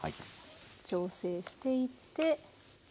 調整していって。